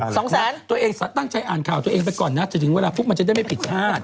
สองแสนตัวเองตั้งใจอ่านข่าวตัวเองไปก่อนนะจะถึงเวลาปุ๊บมันจะได้ไม่ผิดพลาด